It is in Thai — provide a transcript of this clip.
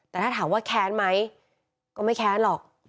แต่ถ้าถามว่าแค้นไหมก็ไม่แค้นหรอก